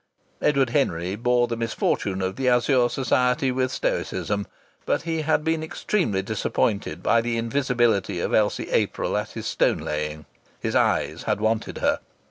Edward Henry bore the misfortune of the Azure Society with stoicism, but he had been extremely disappointed by the invisibility of Elsie April at his stone laying. His eyes had wanted her.